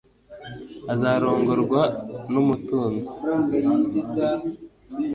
azarongorwa numutunzi